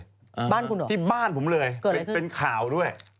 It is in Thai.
บ้านคุณหรอเกิดอะไรขึ้นที่บ้านผมเลยเป็นข่าวด้วย